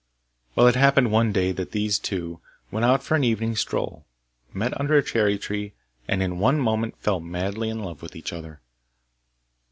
Well, it happened one day that these two, when out for an evening stroll, met under a cherry tree, and in one moment fell madly in love with each other.